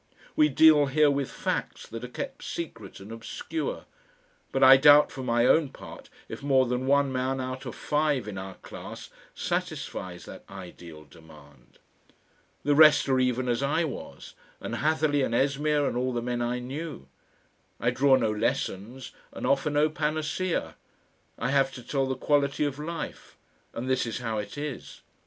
We deal here with facts that are kept secret and obscure, but I doubt for my own part if more than one man out of five in our class satisfies that ideal demand. The rest are even as I was, and Hatherleigh and Esmeer and all the men I knew. I draw no lessons and offer no panacea; I have to tell the quality of life, and this is how it is.